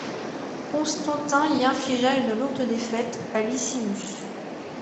Constantin y infligea une lourde défaite à Licinius.